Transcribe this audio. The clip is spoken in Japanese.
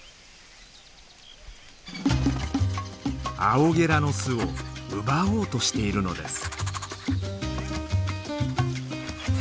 アオゲラの巣を奪おうとしているのです。